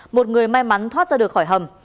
một người may mắn thoát ra được khỏi hầm